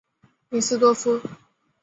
林斯多夫。